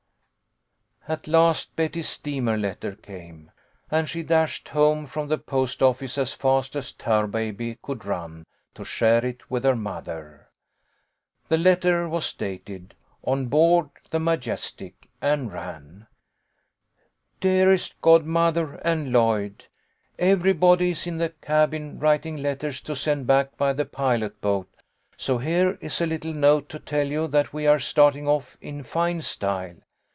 At last Betty's steamer letter came, and she dashed home from the post office as fast as Tarbaby could run, to share it with her mother. The letter was dated " On board the Majestic" and ran : LEFT BEHIND. 12 J " DEAREST GODMOTHER AND LLOYD : Everybody is in the cabin writing letters to send back by the pilot boat, so here is a little note to tell you that we are starting off in fine style.